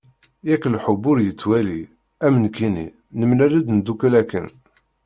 Yak lḥubb ur yettwali, am nekkini, nemlal-d neddukel akken.